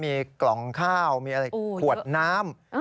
มีกล่องข้าวมีอะไรขวดน้ำ